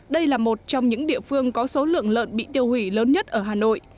đây là một trong những địa phương có số lượng lợn bị tiêu hủy lớn nhất ở hà nội